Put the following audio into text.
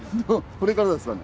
これからですかね？